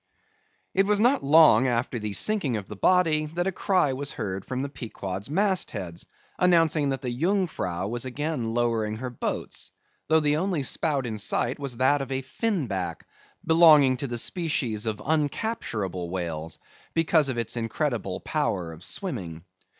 It was not long after the sinking of the body that a cry was heard from the Pequod's mast heads, announcing that the Jungfrau was again lowering her boats; though the only spout in sight was that of a Fin Back, belonging to the species of uncapturable whales, because of its incredible power of swimming.